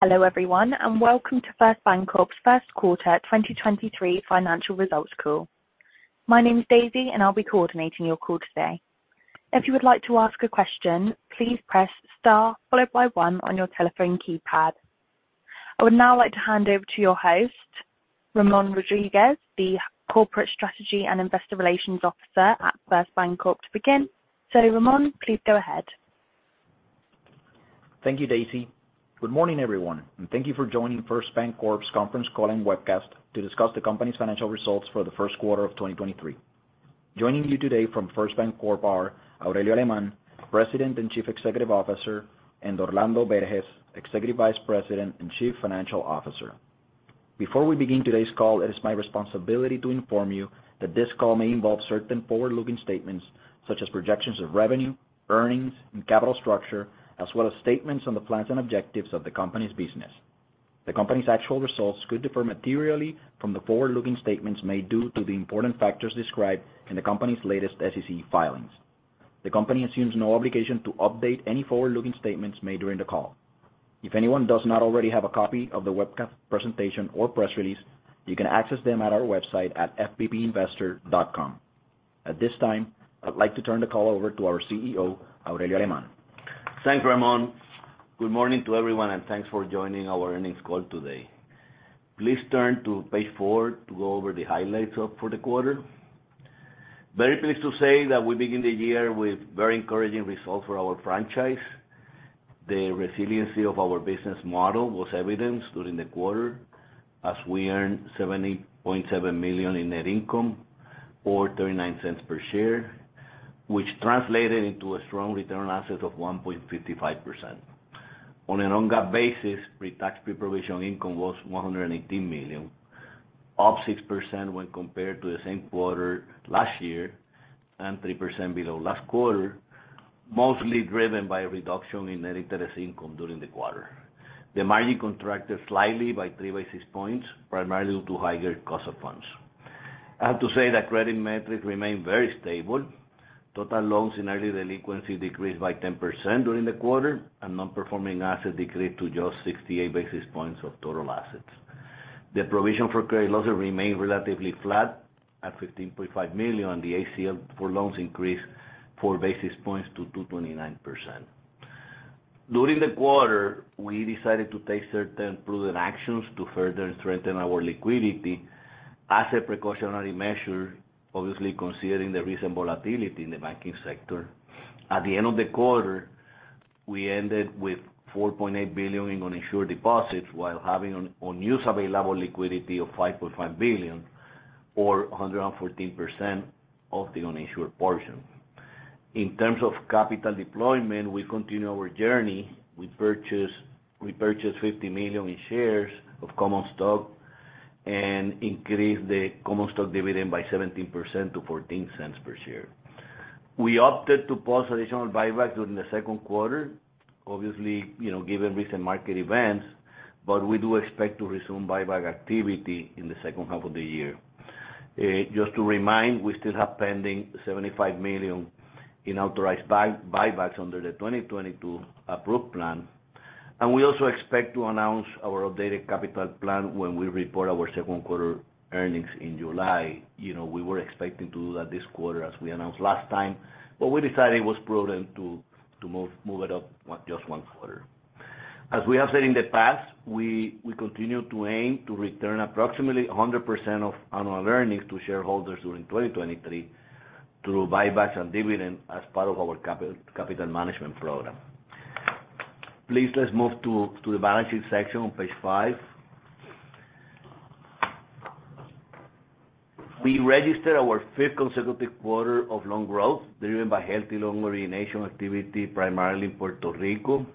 Hello everyone, welcome to First BanCorp's first quarter 2023 financial results call. My name is Daisy and I'll be coordinating your call today. If you would like to ask a question, please press Star followed by one on your telephone keypad. I would now like to hand over to your host, Ramón Rodriguez, the Corporate Strategy and Investor Relations Officer at First BanCorp to begin. Ramón, please go ahead. Thank you, Daisy. Good morning, everyone, and thank you for joining First BanCorp's conference call and webcast to discuss the company's financial results for the first quarter of 2023. Joining you today from First BanCorp are Aurelio Alemán, President and Chief Executive Officer, and Orlando Berges, Executive Vice President and Chief Financial Officer. Before we begin today's call, it is my responsibility to inform you that this call may involve certain forward-looking statements such as projections of revenue, earnings, and capital structure, as well as statements on the plans and objectives of the company's business. The company's actual results could differ materially from the forward-looking statements made due to the important factors described in the company's latest SEC filings. The company assumes no obligation to update any forward-looking statements made during the call. If anyone does not already have a copy of the webcast presentation or press release, you can access them at our website at fbbinvestor.com. At this time, I'd like to turn the call over to our CEO, Aurelio Alemán. Thanks, Ramón. Good morning to everyone, thanks for joining our earnings call today. Please turn to page four to go over the highlights for the quarter. Very pleased to say that we begin the year with very encouraging results for our franchise. The resiliency of our business model was evidenced during the quarter as we earned $70.7 million in net income, or $0.39 per share, which translated into a strong return on assets of 1.55%. On a non-GAAP basis, pre-tax pre-provision income was $118 million, up 6% when compared to the same quarter last year, 3% below last quarter, mostly driven by a reduction in net interest income during the quarter. The margin contracted slightly by three basis points, primarily due to higher cost of funds. I have to say that credit metrics remain very stable. Total loans in early delinquency decreased by 10% during the quarter, and non-performing assets decreased to just 68 basis points of total assets. The provision for credit losses remained relatively flat at $15.5 million. The ACL for loans increased 4 basis points to 2.9%. During the quarter, we decided to take certain prudent actions to further strengthen our liquidity as a precautionary measure, obviously considering the recent volatility in the banking sector. At the end of the quarter, we ended with $4.8 billion in uninsured deposits while having an unused available liquidity of $5.5 billion or 114% of the uninsured portion. In terms of capital deployment, we continue our journey. We purchased $50 million in shares of common stock and increased the common stock dividend by 17% to $0.14 per share. We opted to pause additional buyback during the second quarter, obviously, you know, given recent market events. We do expect to resume buyback activity in the second half of the year. Just to remind, we still have pending $75 million in authorized buybacks under the 2022 approved plan. We also expect to announce our updated capital plan when we report our second quarter earnings in July. You know, we were expecting to do that this quarter as we announced last time, but we decided it was prudent to move it up just one quarter. As we have said in the past, we continue to aim to return approximately 100% of annual earnings to shareholders during 2023 through buybacks and dividends as part of our capital management program. Please, let's move to the balancing section on page 5. We registered our 5th consecutive quarter of loan growth, driven by healthy loan origination activity, primarily in Puerto Rico.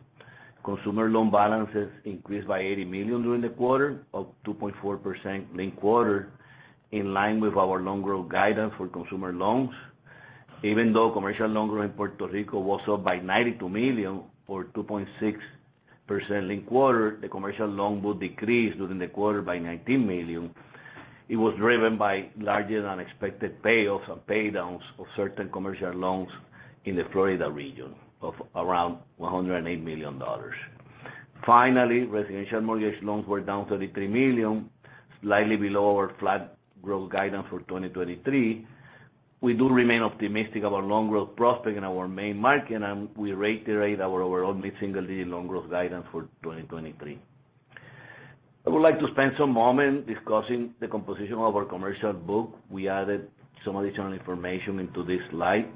Consumer loan balances increased by $80 million during the quarter, up 2.4% linked quarter, in line with our loan growth guidance for consumer loans. Even though commercial loan growth in Puerto Rico was up by $92 million or 2.6% linked quarter, the commercial loan book decreased during the quarter by $19 million. It was driven by larger than expected payoffs and pay downs of certain commercial loans in the Florida region of around $108 million. Finally, residential mortgage loans were down $33 million, slightly below our flat growth guidance for 2023. We do remain optimistic about loan growth prospects in our main market, and we reiterate our overall mid-single-digit loan growth guidance for 2023. I would like to spend some moment discussing the composition of our commercial book. We added some additional information into this slide,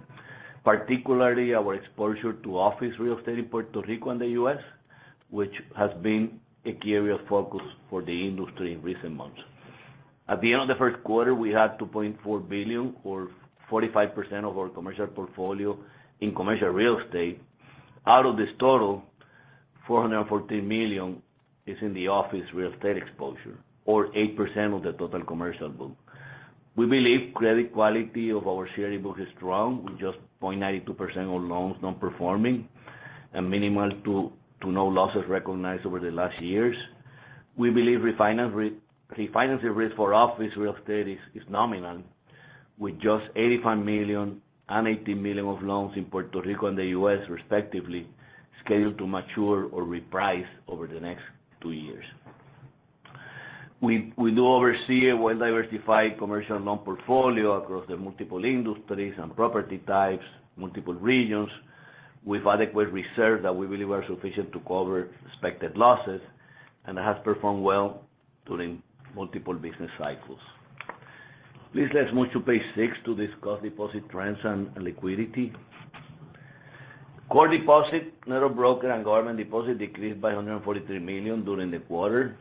particularly our exposure to office real estate in Puerto Rico and the U.S., which has been a key area of focus for the industry in recent months. At the end of the first quarter, we had $2.4 billion or 45% of our commercial portfolio in commercial real estate. Out of this total, $414 million is in the office real estate exposure or 8% of the total commercial book. We believe credit quality of our CRE book is strong, with just 0.92% of loans non-performing and minimal to no losses recognized over the last years. We believe refinancing risk for office real estate is nominal with just $85 million and $18 million of loans in Puerto Rico and the U.S. respectively, scheduled to mature or reprice over the next two years. We do oversee a well-diversified commercial loan portfolio across the multiple industries and property types, multiple regions with adequate reserve that we believe are sufficient to cover expected losses, and has performed well during multiple business cycles. Please let's move to page six to discuss deposit trends and liquidity. Core deposit, net of broker and government deposit decreased by $143 million during the quarter,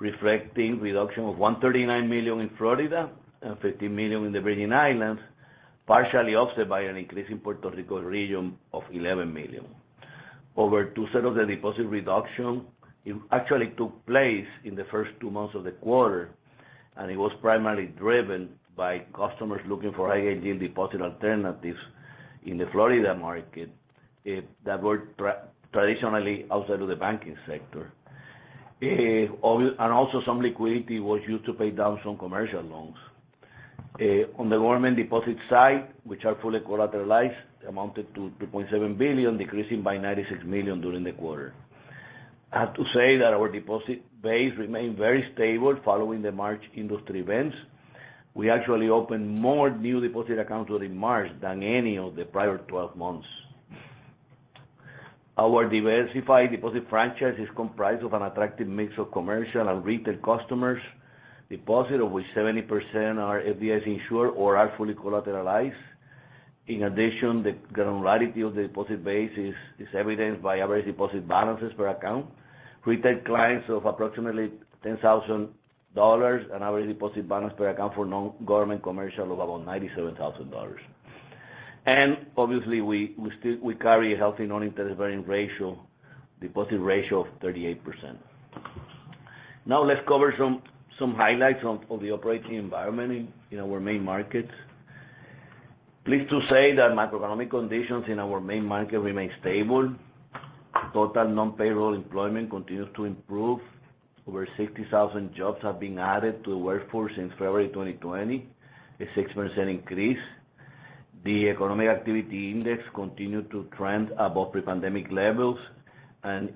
reflecting reduction of $139 million in Florida and $15 million in the Virgin Islands, partially offset by an increase in Puerto Rico region of $11 million. Over 2/3 of the deposit reduction, it actually took place in the first two months of the quarter, it was primarily driven by customers looking for high-yield deposit alternatives in the Florida market, that were traditionally outside of the banking sector. Also some liquidity was used to pay down some commercial loans. On the government deposit side, which are fully collateralized, amounted to $2.7 billion, decreasing by $96 million during the quarter. I have to say that our deposit base remained very stable following the March industry events. We actually opened more new deposit accounts during March than any of the prior 12 months. Our diversified deposit franchise is comprised of an attractive mix of commercial and retail customers. Deposit over 70% are FDIC insured or are fully collateralized. In addition, the granularity of the deposit base is evidenced by average deposit balances per account. Retail clients of approximately $10,000, an average deposit balance per account for non-government commercial of about $97,000. Obviously, we carry a healthy non-interest bearing ratio, deposit ratio of 38%. Let's cover some highlights for the operating environment in our main markets. Pleased to say that macroeconomic conditions in our main market remain stable. Total non-payroll employment continues to improve. Over 60,000 jobs have been added to the workforce since February 2020, a 6% increase. The Economic Activity Index continued to trend above pre-pandemic levels.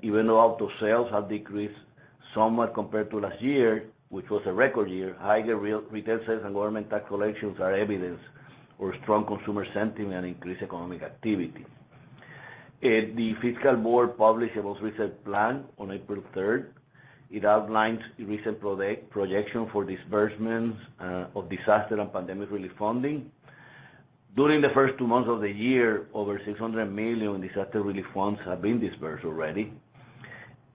Even though auto sales have decreased somewhat compared to last year, which was a record year, higher real retail sales and government tax collections are evidence for strong consumer sentiment and increased economic activity. The Fiscal Board published a most recent plan on April 3rd. It outlines a recent projection for disbursements of disaster and pandemic relief funding. During the first two months of the year, over $600 million disaster relief funds have been disbursed already.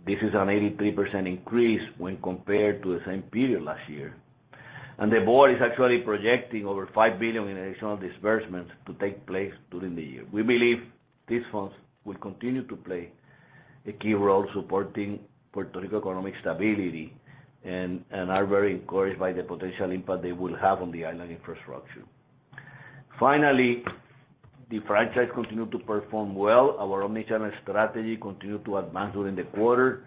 This is an 83% increase when compared to the same period last year. The board is actually projecting over $5 billion in additional disbursements to take place during the year. We believe these funds will continue to play a key role supporting Puerto Rico economic stability and are very encouraged by the potential impact they will have on the island infrastructure. The franchise continued to perform well. Our omnichannel strategy continued to advance during the quarter.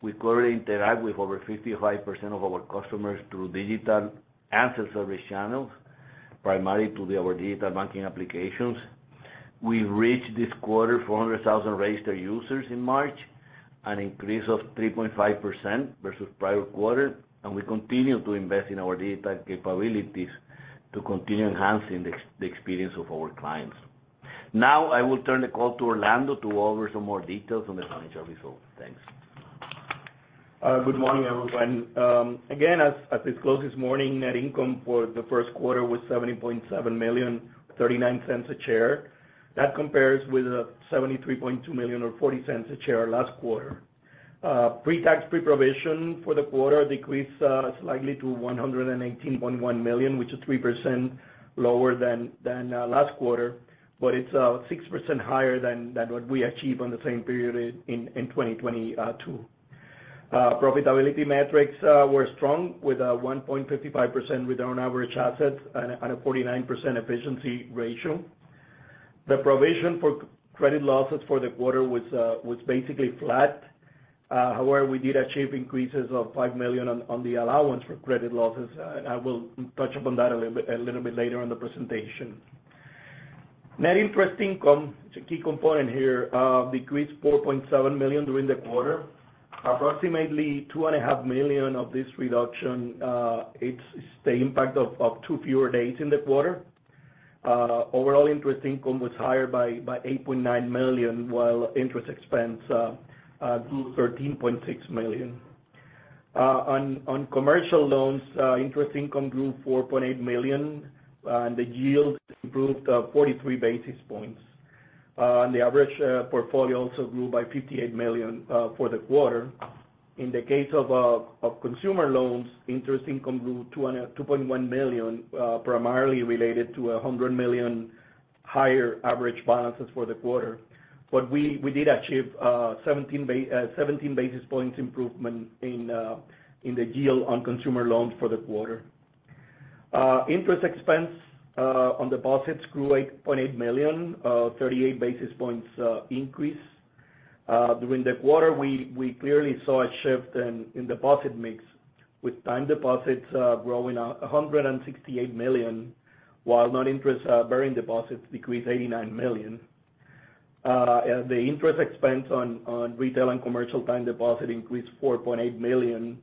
We currently interact with over 55% of our customers through digital and self-service channels, primarily through our digital banking applications. We reached this quarter 400,000 registered users in March, an increase of 3.5% versus prior quarter. We continue to invest in our digital capabilities to continue enhancing the experience of our clients. I will turn the call to Orlando to go over some more details on the financial results. Thanks. Good morning, everyone. Again, as disclosed this morning, net income for the first quarter was $70.7 million, $0.39 a share. That compares with $73.2 million or $0.40 a share last quarter. Pre-tax, pre-provision for the quarter decreased slightly to $118.1 million, which is 3% lower than last quarter, but it's 6% higher than what we achieved on the same period in 2022. Profitability metrics were strong with 1.55% return on average assets and a 49% efficiency ratio. The provision for credit losses for the quarter was basically flat. However, we did achieve increases of $5 million on the allowance for credit losses. I will touch upon that a little bit later in the presentation. Net interest income, it's a key component here, decreased $4.7 million during the quarter. Approximately two and a half million of this reduction, it's the impact of two fewer days in the quarter. Overall interest income was higher by $8.9 million, while interest expense grew $13.6 million. On commercial loans, interest income grew $4.8 million, the yield improved 43 basis points. The average portfolio also grew by $58 million for the quarter. In the case of consumer loans, interest income grew $2.1 million, primarily related to $100 million higher average balances for the quarter. We did achieve 17 basis points improvement in the yield on consumer loans for the quarter. Interest expense on deposits grew $8.8 million, 38 basis points increase. During the quarter, we clearly saw a shift in deposit mix, with time deposits growing $168 million, while non-interest bearing deposits decreased $89 million. The interest expense on retail and commercial time deposit increased $4.8 million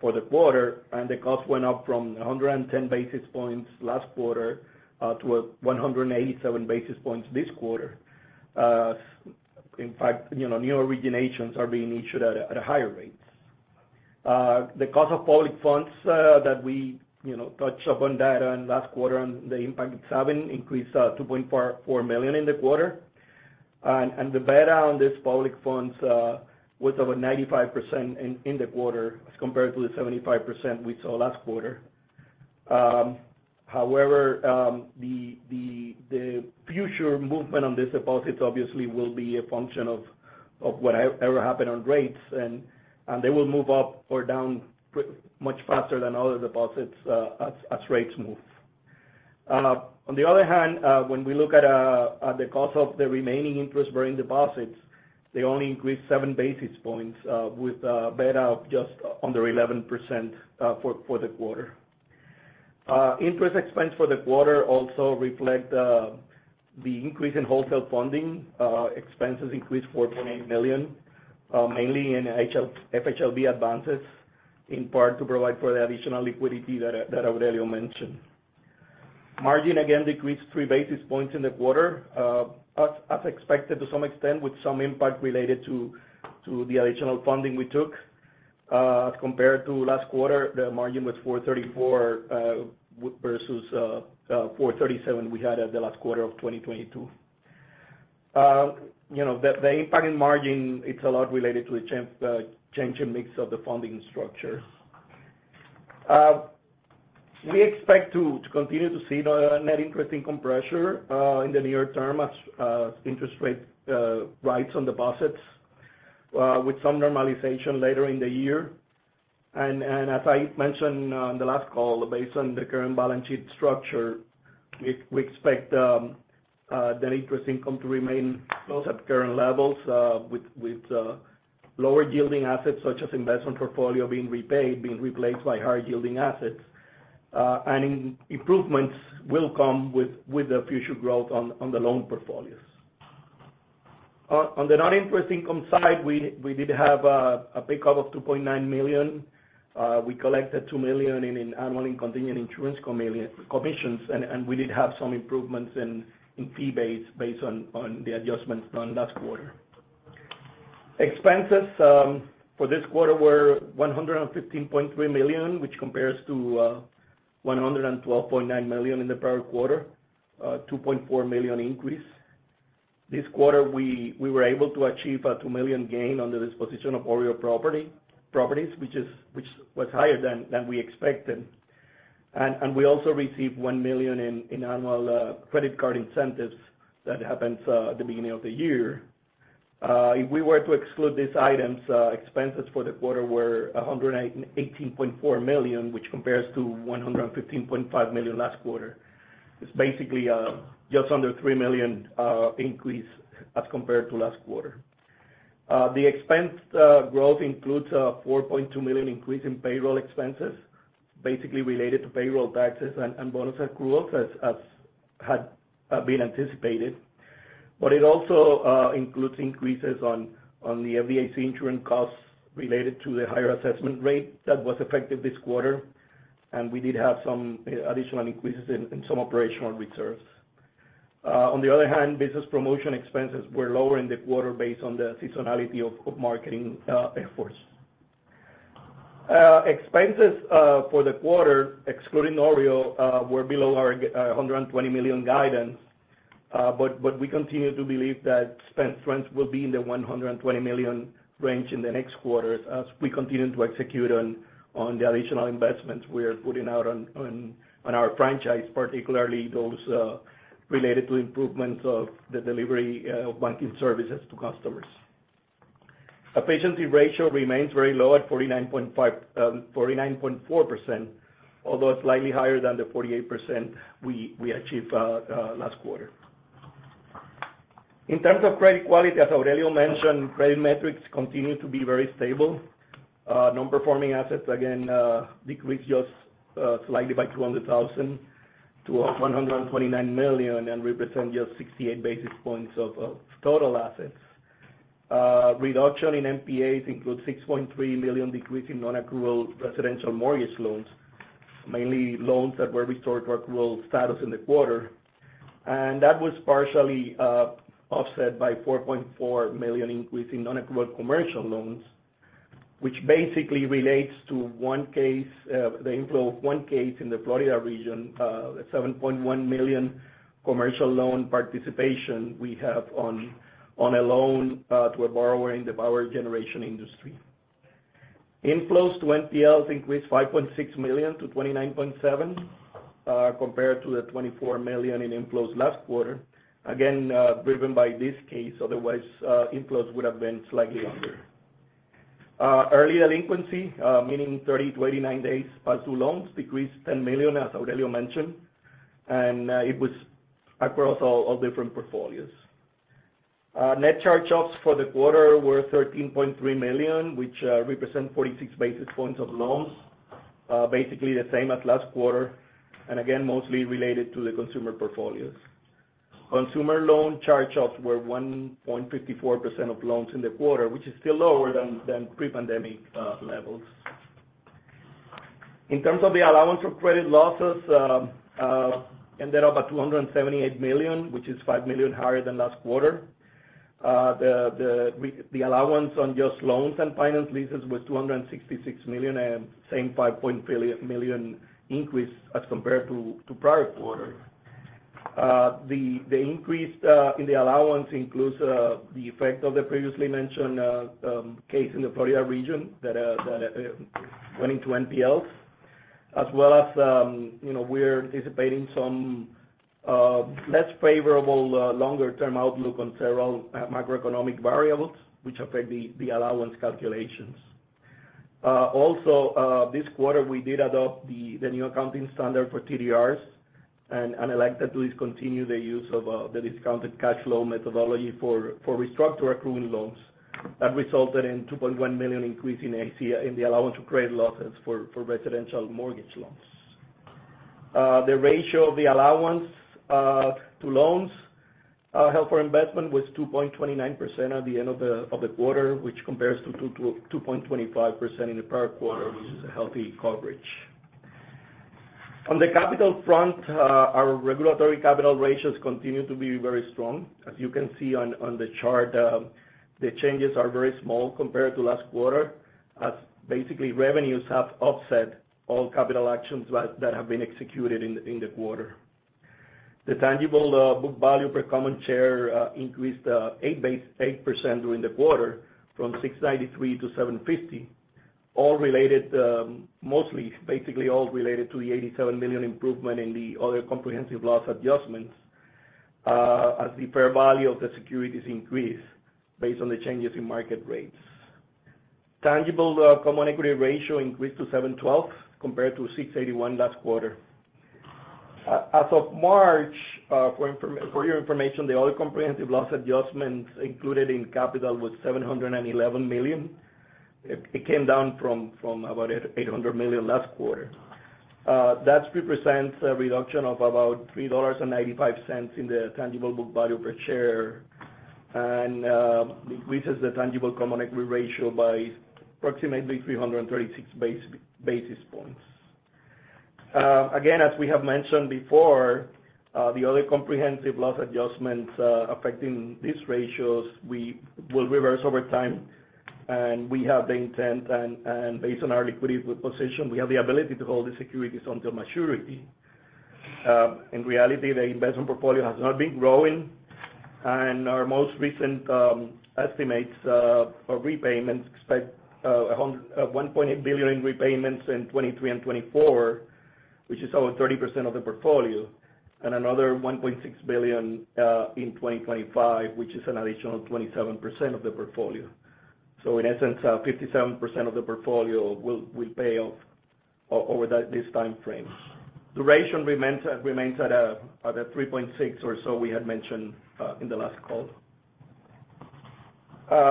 for the quarter, the cost went up from 110 basis points last quarter to 187 basis points this quarter. In fact, you know, new originations are being issued at a higher rates. Uh, the cost of public funds, uh, that we, you know, touched upon that on last quarter and the impact it's having increased, uh, $2.4 million in the quarter. And, and the beta on these public funds, uh, was over 95% in the quarter as compared to the 75% we saw last quarter. Um, however, um, the, the future movement on these deposits obviously will be a function of whatever happen on rates, and they will move up or down pr- much faster than other deposits, uh, as rates move. Uh, on the other hand, uh, when we look at, uh, at the cost of the remaining interest-bearing deposits, they only increased seven basis points, uh, with a beta of just under 11%, uh, for the quarter. Interest expense for the quarter also reflect the increase in wholesale funding. Expenses increased $4.8 million, mainly in FHLB advances, in part to provide for the additional liquidity that Aurelio mentioned. Margin again decreased 3 basis points in the quarter, as expected to some extent, with some impact related to the additional funding we took. As compared to last quarter, the margin was 434, versus 437 we had at the last quarter of 2022. You know, the impact in margin, it's a lot related to a change in mix of the funding structure. We expect to continue to see the net interest income pressure, in the near term as interest rate rise on deposits, with some normalization later in the year. As I mentioned on the last call, based on the current balance sheet structure, we expect the net interest income to remain close at current levels with lower yielding assets such as investment portfolio being repaid, being replaced by higher yielding assets. Improvements will come with the future growth on the loan portfolios. On the non-interest income side, we did have a pickup of $2.9 million. We collected $2 million in annual and continuing insurance commissions, and we did have some improvements in fee-based based on the adjustments done last quarter. Expenses for this quarter were $115.3 million, which compares to $112.9 million in the prior quarter, a $2.4 million increase. This quarter, we were able to achieve a $2 million gain on the disposition of OREO properties, which was higher than we expected. We also received $1 million in annual credit card incentives that happens at the beginning of the year. If we were to exclude these items, expenses for the quarter were $118.4 million, which compares to $115.5 million last quarter. It's basically just under $3 million increase as compared to last quarter. The expense growth includes a $4.2 million increase in payroll expenses, basically related to payroll taxes and bonus accruals as had been anticipated. It also includes increases on the FDIC insurance costs related to the higher assessment rate that was effective this quarter. We did have some additional increases in some operational reserves. On the other hand, business promotion expenses were lower in the quarter based on the seasonality of marketing efforts. Expenses for the quarter, excluding OREO, were below our $120 million guidance, but we continue to believe that spend trends will be in the $120 million range in the next quarters as we continue to execute on the additional investments we are putting out on our franchise, particularly those related to improvements of the delivery of banking services to customers. Efficiency ratio remains very low at 49.4%, although slightly higher than the 48% we achieved last quarter. In terms of credit quality, as Aurelio mentioned, credit metrics continue to be very stable. Non-Performing Assets again decreased just slightly by $200,000 to $129 million and represent just 68 basis points of total assets. Reduction in NPAs includes $6.3 million decrease in non-accrual residential mortgage loans, mainly loans that were restored to accrual status in the quarter. That was partially offset by $4.4 million increase in non-accrual commercial loans, which basically relates to one case, the inflow of one case in the Florida region, a $7.1 million commercial loan participation we have on a loan to a borrower in the power generation industry. Inflows to NPLs increased $5.6 million to $29.7 million, compared to the $24 million in inflows last quarter, again, driven by this case, otherwise, inflows would have been slightly lower. Early delinquency, meaning 30 to 89 days past due loans decreased $10 million, as Aurelio mentioned, and it was across all different portfolios. Net charge-offs for the quarter were $13.3 million, which represent 46 basis points of loans. Basically the same as last quarter, mostly related to the consumer portfolios. Consumer loan charge-offs were 1.54% of loans in the quarter, which is still lower than pre-pandemic levels. In terms of the allowance for credit losses, ended up at $278 million, which is $5 million higher than last quarter. The allowance on just loans and finance leases was $266 million and same $5 million increase as compared to prior quarter. The increase in the allowance includes the effect of the previously mentioned case in the Florida region that went into NPLs, as well as, you know, we're anticipating some less favorable longer term outlook on several macroeconomic variables which affect the allowance calculations. Also, this quarter, we did adopt the new accounting standard for TDRs and elected to discontinue the use of the discounted cash flow methodology for restructured accruing loans. That resulted in a $2.1 million increase in the allowance to credit losses for residential mortgage loans. The ratio of the allowance to loans held for investment was 2.29% at the end of the quarter, which compares to 2.25% in the prior quarter, which is a healthy coverage. On the capital front, our regulatory capital ratios continue to be very strong. As you can see on the chart, the changes are very small compared to last quarter, as basically revenues have offset all capital actions that have been executed in the quarter. The tangible book value per common share increased 8% during the quarter from $6.93 to $7.50, all related, mostly, basically all related to the $87 million improvement in the other comprehensive loss adjustments, as the fair value of the securities increased based on the changes in market rates. Tangible common equity ratio increased to 7.12% compared to 6.81% last quarter. As of March, for your information, the other comprehensive loss adjustments included in capital was $711 million. It came down from about $800 million last quarter. That represents a reduction of about $3.95 in the tangible book value per share and increases the tangible common equity ratio by approximately 336 basis points. Again, as we have mentioned before, the other comprehensive loss adjustments, affecting these ratios, we will reverse over time. We have the intent and, based on our liquidity position, we have the ability to hold the securities until maturity. In reality, the investment portfolio has not been growing, and our most recent estimates for repayments expect $1.8 billion in repayments in 2023 and 2024, which is over 30% of the portfolio. Another $1.6 billion in 2025, which is an additional 27% of the portfolio. In essence, 57% of the portfolio will pay off over this timeframe. The ratio remains at a 3.6 or so we had mentioned in the last call.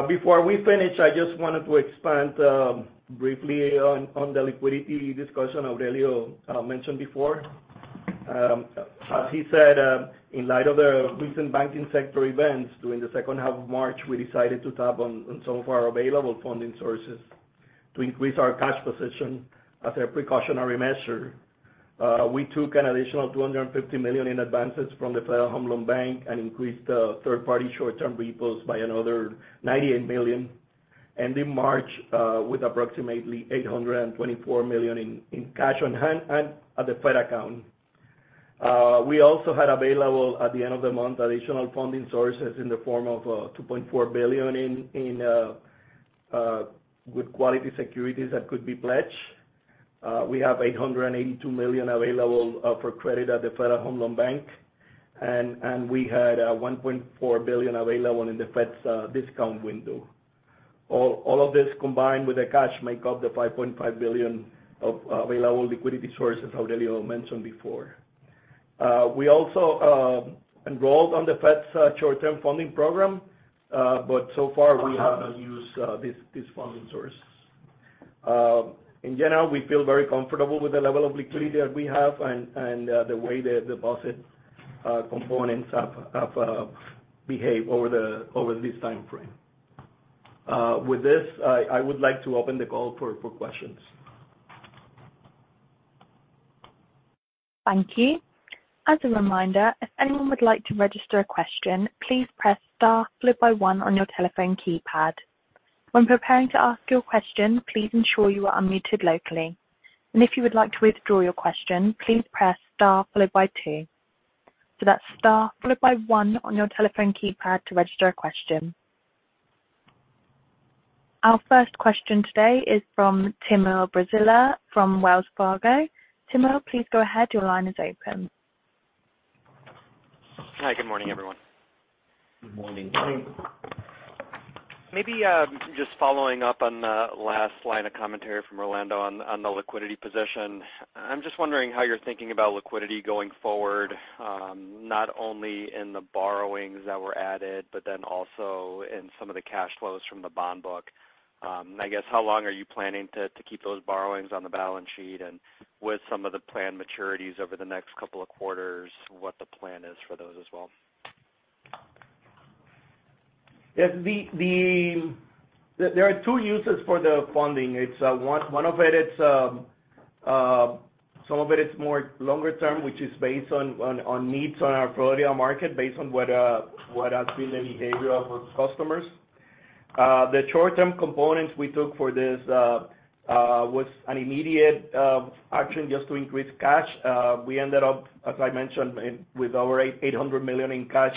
Before we finish, I just wanted to expand briefly on the liquidity discussion Aurelio mentioned before. As he said, in light of the recent banking sector events during the second half of March, we decided to tap on some of our available funding sources to increase our cash position as a precautionary measure. We took an additional $250 million in advances from the Federal Home Loan Bank and increased third-party short-term repos by another $98 million, ending March with approximately $824 million in cash on hand and at the Fed account. We also had available at the end of the month, additional funding sources in the form of $2.4 billion with quality securities that could be pledged. We have $882 million available for credit at the Federal Home Loan Bank. We had $1.4 billion available in the Fed's discount window. All of this combined with the cash make up the $5.5 billion of available liquidity sources Aurelio mentioned before. We also enrolled on the Fed's short-term funding program, but so far we have not used these funding sources. In general, we feel very comfortable with the level of liquidity that we have and the way the deposit components have behaved over this timeframe. With this, I would like to open the call for questions. Thank you. As a reminder, if anyone would like to register a question, please press star followed by one on your telephone keypad. When preparing to ask your question, please ensure you are unmuted locally. If you would like to withdraw your question, please press star followed by two. That's star followed by one on your telephone keypad to register a question. Our first question today is from Timur Braziler from Wells Fargo. Timur, please go ahead. Your line is open. Hi, good morning, everyone. Good morning. Good morning. Maybe, just following up on the last line of commentary from Orlando on the liquidity position. I'm just wondering how you're thinking about liquidity going forward, not only in the borrowings that were added, but then also in some of the cash flows from the bond book. I guess, how long are you planning to keep those borrowings on the balance sheet? With some of the planned maturities over the next couple of quarters, what the plan is for those as well? Yes. There are two uses for the funding. It's one of it's some of it is more longer term, which is based on needs on our Florida market based on what has been the behavior of our customers. The short-term components we took for this was an immediate action just to increase cash. We ended up, as I mentioned with over $800 million in cash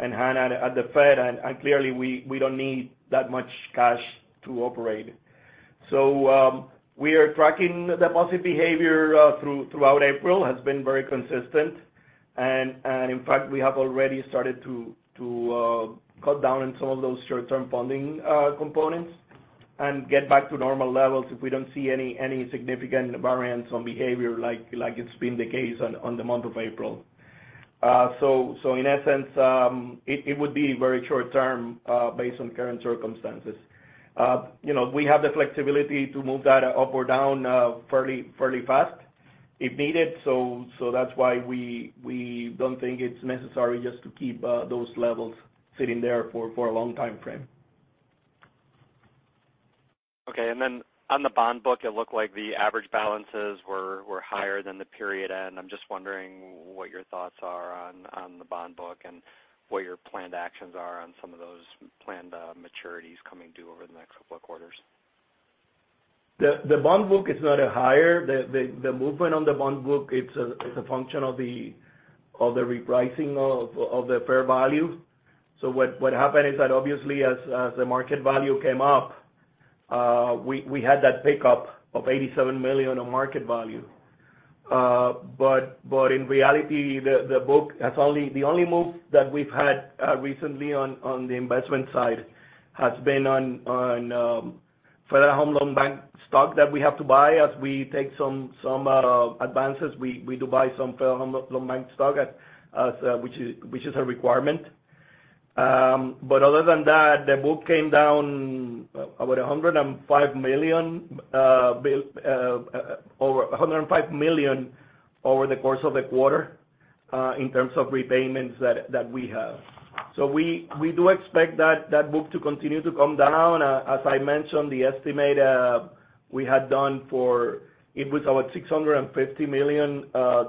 in hand at the Fed. Clearly we don't need that much cash to operate. We are tracking deposit behavior throughout April, has been very consistent. In fact, we have already started to cut down on some of those short-term funding components and get back to normal levels if we don't see any significant variance on behavior like it's been the case on the month of April. In essence, it would be very short term, based on current circumstances. You know, we have the flexibility to move that up or down, fairly fast if needed. That's why we don't think it's necessary just to keep those levels sitting there for a long timeframe. Okay. On the bond book, it looked like the average balances were higher than the period end. I'm just wondering what your thoughts are on the bond book and what your planned actions are on some of those planned maturities coming due over the next couple of quarters. The bond book is not higher. The movement on the bond book, it's a function of the repricing of the fair value. What happened is that obviously as the market value came up, we had that pickup of $87 million on market value. In reality, the only move that we've had recently on the investment side has been on Federal Home Loan Bank stock that we have to buy. As we take some advances, we do buy some Federal Home Loan Bank stock as which is a requirement. Other than that, the book came down over $105 million over the course of the quarter in terms of repayments that we have. We do expect that book to continue to come down. As I mentioned, the estimate we had done for it was about $650 million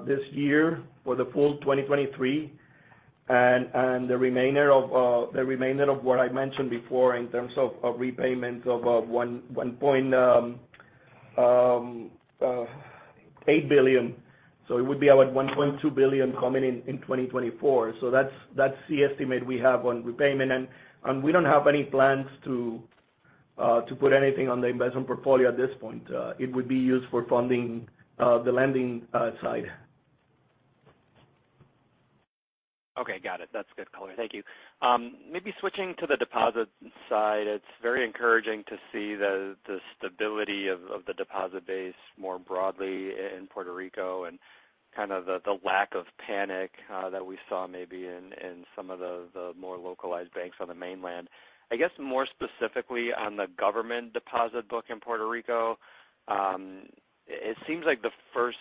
this year for the full 2023. The remainder of what I mentioned before in terms of repayment of 1.8 billion, it would be around $1.2 billion coming in 2024. That's the estimate we have on repayment. We don't have any plans to put anything on the investment portfolio at this point.It would be used for funding, the lending, side. Okay. Got it. That's good color. Thank you. maybe switching to the deposit side, it's very encouraging to see the stability of the deposit base more broadly in Puerto Rico and kind of the lack of panic that we saw maybe in some of the more localized banks on the mainland. I guess more specifically on the government deposit book in Puerto Rico, it seems like the first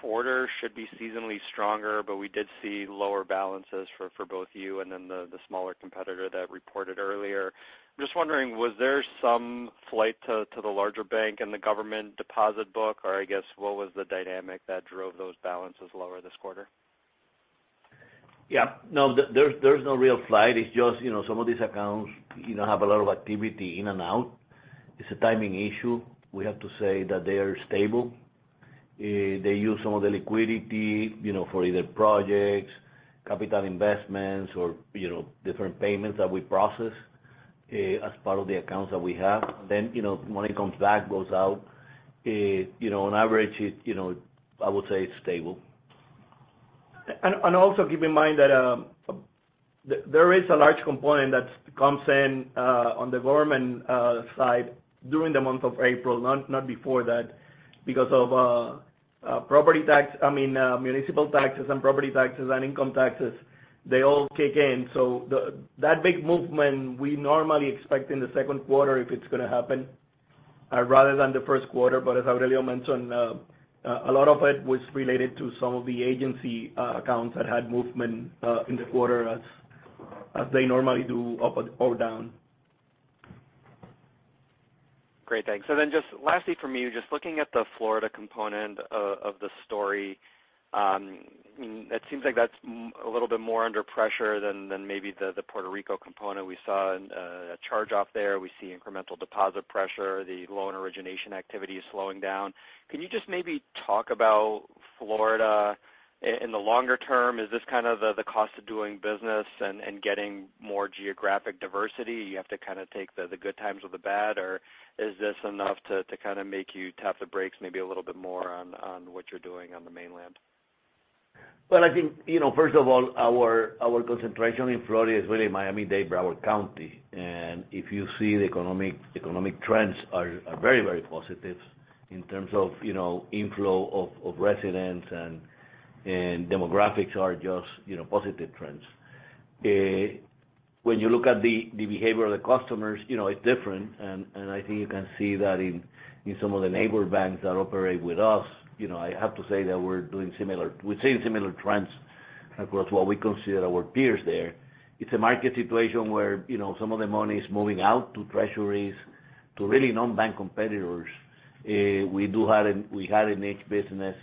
quarter should be seasonally stronger, but we did see lower balances for both you and then the smaller competitor that reported earlier. I'm just wondering, was there some flight to the larger bank in the government deposit book? Or I guess, what was the dynamic that drove those balances lower this quarter? Yeah. No, there's no real flight. It's just, you know, some of these accounts, you know, have a lot of activity in and out. It's a timing issue. We have to say that they are stable. They use some of the liquidity, you know, for either projects, capital investments or, you know, different payments that we process as part of the accounts that we have. You know, money comes back, goes out. You know, on average it's, you know, I would say it's stable. Also keep in mind that there is a large component that comes in on the government side during the month of April, not before that, because of I mean municipal taxes and property taxes and income taxes, they all kick in. That big movement we normally expect in the second quarter if it's gonna happen, rather than the first quarter. As Aurelio mentioned, a lot of it was related to some of the agency accounts that had movement in the quarter as they normally do up or down. Great. Thanks. Just lastly from me, just looking at the Florida component of the story, it seems like that's a little bit more under pressure than maybe the Puerto Rico component. We saw a charge-off there. We see incremental deposit pressure. The loan origination activity is slowing down. Can you just maybe talk about Florida in the longer term? Is this kind of the cost of doing business and getting more geographic diversity? You have to kind of take the good times with the bad, or is this enough to kind of make you tap the brakes maybe a little bit more on what you're doing on the mainland? Well, I think, you know, first of all, our concentration in Florida is really Miami-Dade, Broward County. If you see the economic trends are very, very positive in terms of, you know, inflow of residents and demographics are just, you know, positive trends. When you look at the behavior of the customers, you know, it's different, and I think you can see that in some of the neighbor banks that operate with us. You know, I have to say that we're seeing similar trends across what we consider our peers there. It's a market situation where, you know, some of the money is moving out to treasuries, to really non-bank competitors. We had a niche business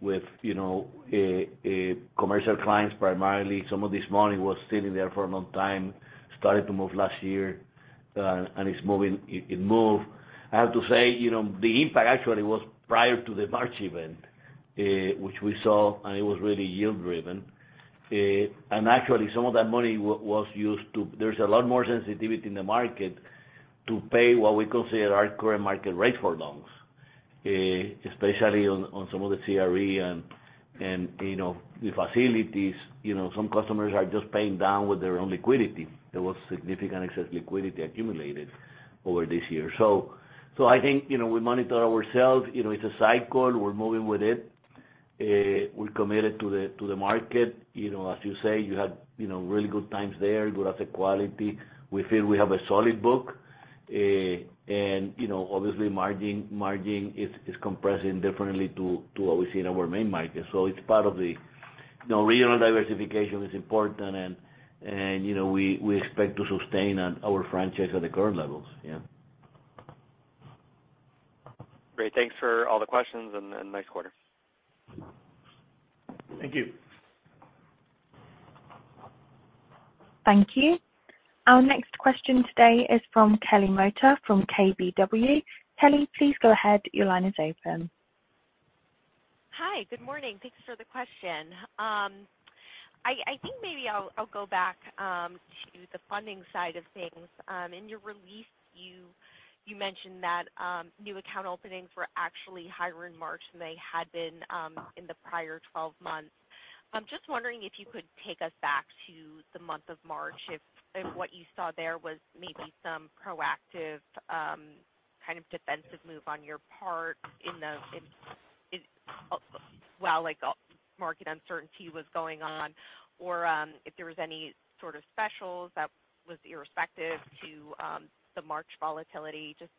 with, you know, commercial clients, primarily. Some of this money was sitting there for a long time, started to move last year. It's moving. It moved. I have to say, you know, the impact actually was prior to the March event, which we saw, and it was really yield-driven. Actually, some of that money was used to... There's a lot more sensitivity in the market to pay what we consider our current market rate for loans, especially on some of the CRE and, you know, the facilities. You know, some customers are just paying down with their own liquidity. There was significant excess liquidity accumulated over this year. I think, you know, we monitor ourselves. You know, it's a cycle. We're moving with it. We're committed to the, to the market. You know, as you say, you had, you know, really good times there, good asset quality. We feel we have a solid book. You know, obviously margin is compressing differently to what we see in our main market. It's part of the. You know, regional diversification is important and, you know, we expect to sustain on our franchise at the current levels. Yeah. Great. Thanks for all the questions and nice quarter. Thank you. Thank you. Our next question today is from Kelly Motta from KBW. Kelly, please go ahead. Your line is open. Hi. Good morning. Thanks for the question. I think maybe I'll go back to the funding side of things. In your release, you mentioned that new account openings were actually higher in March than they had been in the prior 12 months. I'm just wondering if you could take us back to the month of March, if what you saw there was maybe some proactive, kind of defensive move on your part in the While, like, market uncertainty was going on, or if there was any sort of specials that was irrespective to the March volatility. Just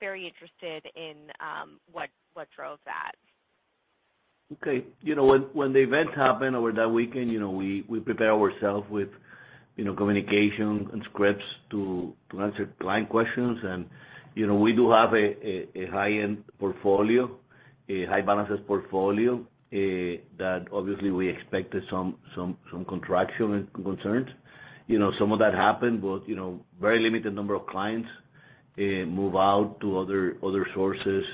very interested in what drove that. Okay. You know, when the event happened over that weekend, you know, we prepare ourself with, you know, communication and scripts to answer client questions. You know, we do have a high-end portfolio, a high balances portfolio, that obviously we expected some contraction concerns. You know, some of that happened, but, you know, very limited number of clients move out to other sources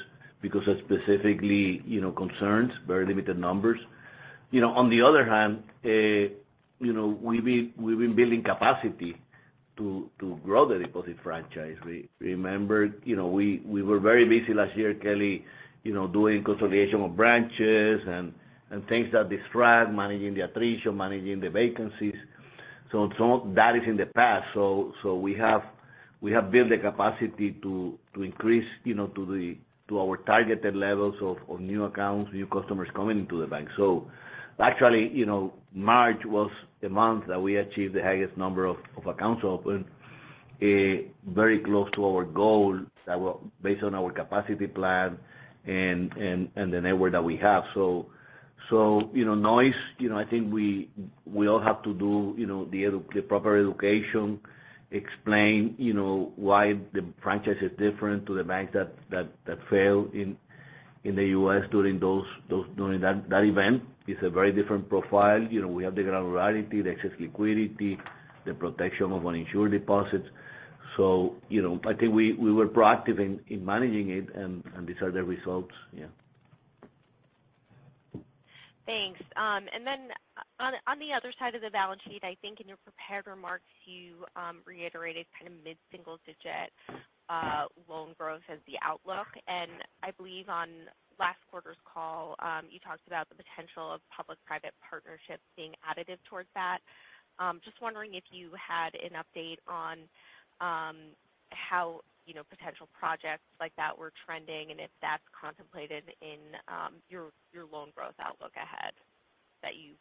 because that's specifically, you know, concerns, very limited numbers. You know, on the other hand, you know, we've been building capacity to grow the deposit franchise. We remember, you know, we were very busy last year, Kelly, you know, doing consolidation of branches and things that distract, managing the attrition, managing the vacancies. Some of that is in the past. We have built the capacity to increase, you know, to our targeted levels of new accounts, new customers coming into the bank. Actually, you know, March was the month that we achieved the highest number of accounts opened, very close to our goal that were based on our capacity plan and the network that we have. Noise, you know, I think we all have to do, you know, the proper education, explain, you know, why the franchise is different to the banks that failed in the U.S. during those during that event. It's a very different profile. You know, we have the granularity, the excess liquidity, the protection of uninsured deposits. You know, I think we were proactive in managing it, and these are the results. Yeah. Thanks. On the other side of the balance sheet, I think in your prepared remarks, you reiterated kind of mid-single digit loan growth as the outlook. I believe on last quarter's call, you talked about the potential of public-private partnerships being additive towards that. Just wondering if you had an update on how, you know, potential projects like that were trending and if that's contemplated in your loan growth outlook ahead that you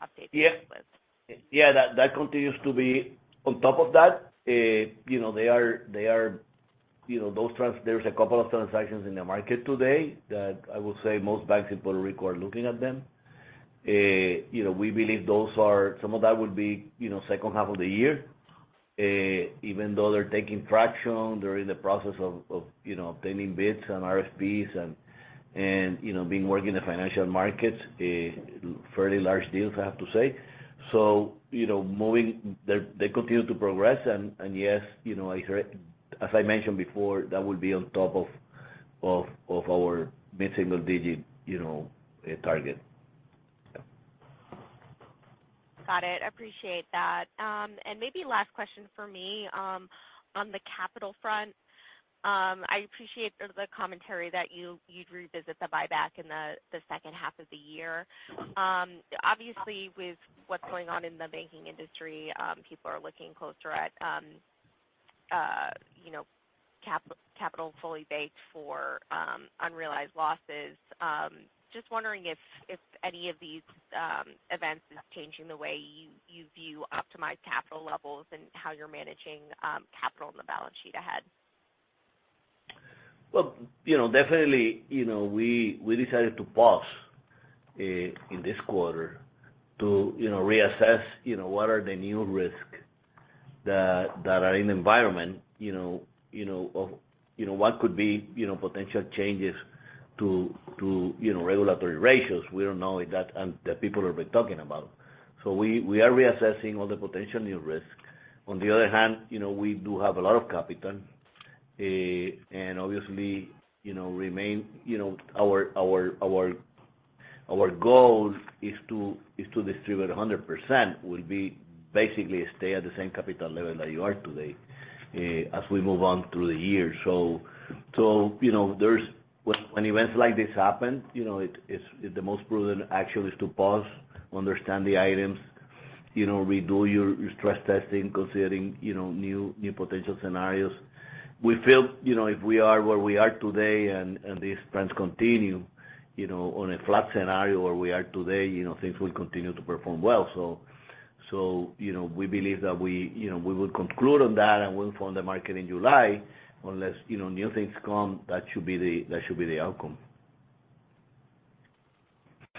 updated us with. Yeah. Yeah. That, that continues to be on top of that. you know, they are, they are, you know, There's a couple of transactions in the market today that I will say most banks in Puerto Rico are looking at them. you know, we believe some of that will be, you know, second half of the year. even though they're taking traction, they're in the process of, you know, obtaining bids and RFPs and, you know, being working in the financial markets, fairly large deals, I have to say. you know, They continue to progress. Yes, you know, as I, as I mentioned before, that will be on top of, of our mid-single digit, you know, target. Got it. Appreciate that. Maybe last question for me on the capital front. I appreciate the commentary that you'd revisit the buyback in the second half of the year. Obviously, with what's going on in the banking industry, people are looking closer at, you know, capital fully baked for unrealized losses. Just wondering if any of these events is changing the way you view optimized capital levels and how you're managing capital on the balance sheet ahead. Well, you know, definitely, you know, we decided to pause in this quarter to, you know, reassess, you know, what are the new risks that are in environment, you know, you know, of, you know, what could be, you know, potential changes to, you know, regulatory ratios. We don't know if that. The people have been talking about. We are reassessing all the potential new risks. On the other hand, you know, we do have a lot of capital, and obviously, you know, remain, you know, our goal is to distribute 100% will be basically stay at the same capital level that you are today, as we move on through the year. You know, there's when events like this happen, you know, it's the most prudent action is to pause, understand the items, you know, redo your stress testing considering, you know, new potential scenarios. We feel, you know, if we are where we are today and these trends continue, you know, on a flat scenario where we are today, you know, things will continue to perform well. You know, we believe that we, you know, we will conclude on that, and we'll inform the market in July. Unless, you know, new things come, that should be the outcome.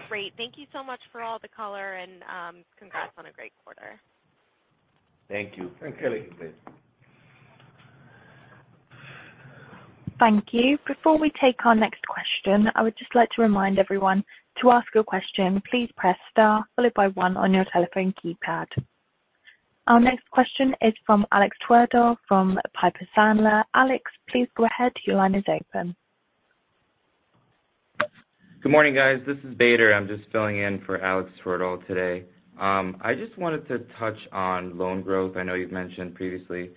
Great. Thank you so much for all the color and, congrats on a great quarter. Thank you. Thank you. Thank you. Before we take our next question, I would just like to remind everyone: to ask a question, please press star followed by one on your telephone keypad. Our next question is from Alex Twerdahl from Piper Sandler. Alex, please go ahead. Your line is open. Good morning, guys. This is Bader. I'm just filling in for Alex Twerdahl today. I just wanted to touch on loan growth. I know you've mentioned previously.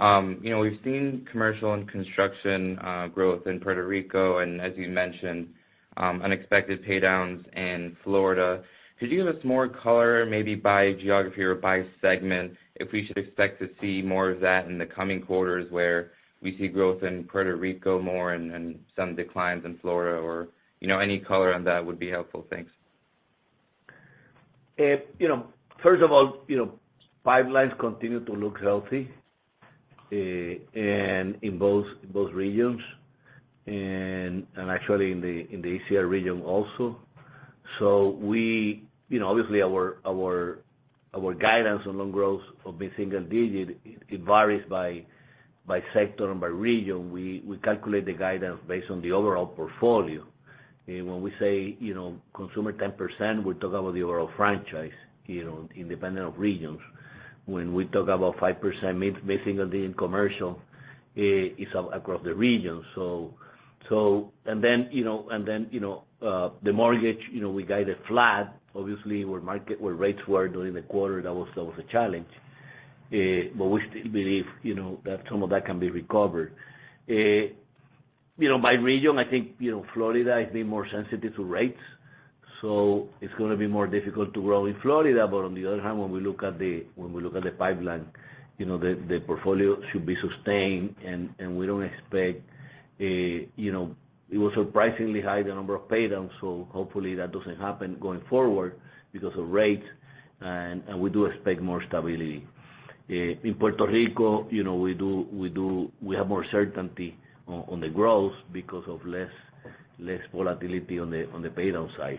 You know, we've seen commercial and construction growth in Puerto Rico and, as you mentioned, unexpected paydowns in Florida. Could you give us more color, maybe by geography or by segment, if we should expect to see more of that in the coming quarters, where we see growth in Puerto Rico more and some declines in Florida or? You know, any color on that would be helpful. Thanks. You know, first of all, you know, pipelines continue to look healthy, and in both regions and actually in the ACR region also. You know, obviously our guidance on loan growth of mid-single digit, it varies by sector and by region. We calculate the guidance based on the overall portfolio. When we say, you know, consumer 10%, we talk about the overall franchise, you know, independent of regions. When we talk about 5% mid-single digit in commercial, it's across the region. Then, you know, and then, you know, the mortgage, you know, we guided flat. Obviously, where rates were during the quarter, that was a challenge. We still believe, you know, that some of that can be recovered. You know, by region, I think, you know, Florida is a bit more sensitive to rates, so it's gonna be more difficult to grow in Florida. On the other hand, when we look at the, when we look at the pipeline, you know, the portfolio should be sustained, and we don't expect, you know. It was surprisingly high, the number of paydowns, so hopefully, that doesn't happen going forward because of rates. We do expect more stability. In Puerto Rico, you know, we do have more certainty on the growth because of less, less volatility on the, on the paydown side.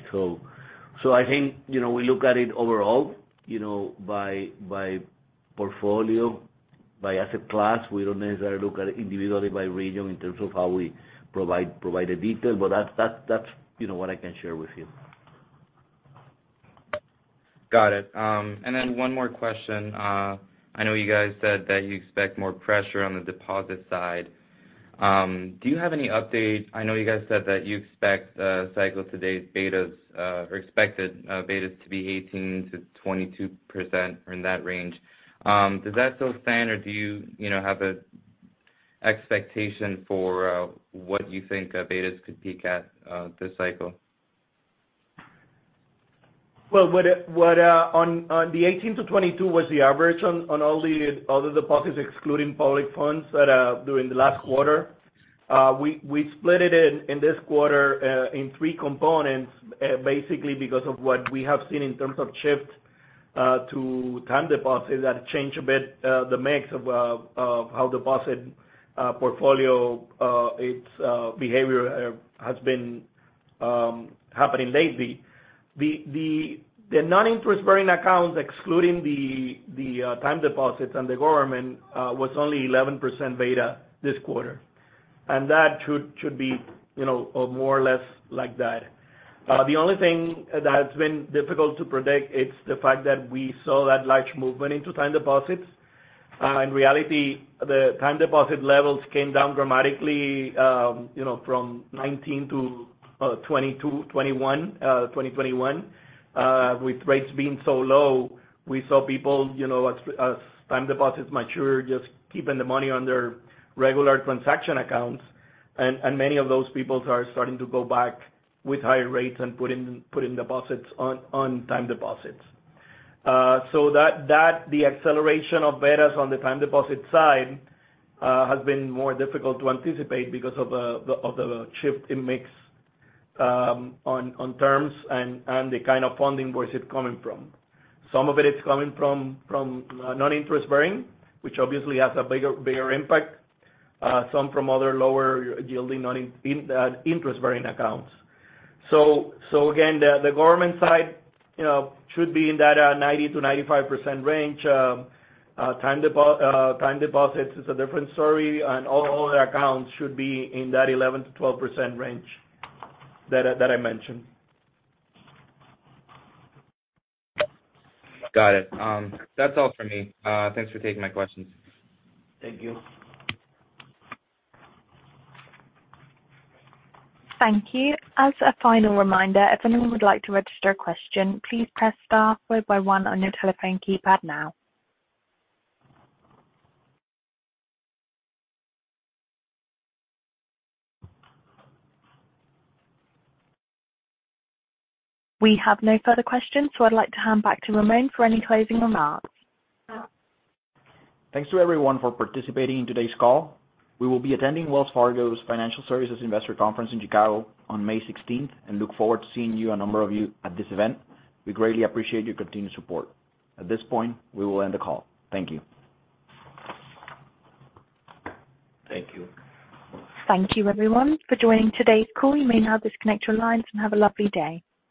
I think, you know, we look at it overall, you know, by portfolio, by asset class. We don't necessarily look at it individually by region in terms of how we provide the detail, but that's, you know, what I can share with you. Got it. One more question. I know you guys said that you expect more pressure on the deposit side. Do you have any update? I know you guys said that you expect cycle to date betas, or expected betas to be 18%-22% or in that range. Does that still stand, or do you know, have an expectation for what you think betas could peak at this cycle? Well. On the 18 to 22 was the average on all the deposits excluding public funds that during the last quarter. We split it in this quarter in three components basically because of what we have seen in terms of shift to time deposits. That changed a bit the mix of how deposit portfolio its behavior has been happening lately. The non-interest-bearing accounts, excluding the time deposits and the government, was only 11% beta this quarter. That should be, you know, more or less like that. The only thing that's been difficult to predict it's the fact that we saw that large movement into time deposits. In reality, the time deposit levels came down dramatically, you know, from 2019 to 2022, 2021. With rates being so low, we saw people, you know, as time deposits mature, just keeping the money on their regular transaction accounts. Many of those peoples are starting to go back with higher rates and putting deposits on time deposits. So that the acceleration of betas on the time deposit side has been more difficult to anticipate because of the shift in mix on terms and the kind of funding where is it coming from. Some of it is coming from non-interest bearing, which obviously has a bigger impact, some from other lower yielding non-interest bearing accounts. Again, the government side, you know, should be in that 90% to 95% range. Time deposits is a different story, and all other accounts should be in that 11% to 12% range that I mentioned. Got it. That's all for me. Thanks for taking my questions. Thank you. Thank you. As a final reminder, if anyone would like to register a question, please press star followed by one on your telephone keypad now. We have no further questions, I'd like to hand back to Ramón for any closing remarks. Thanks to everyone for participating in today's call. We will be attending Wells Fargo Financial Services Investor Conference in Chicago on May 16th and look forward to seeing you, a number of you at this event. We greatly appreciate your continued support. At this point, we will end the call. Thank you. Thank you. Thank you everyone for joining today's call. You may now disconnect your lines and have a lovely day.